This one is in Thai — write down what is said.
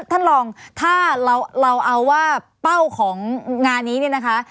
ท่านลองถ้าเราเอาว่าเป้าของงานนี้เนี่ยนะคะ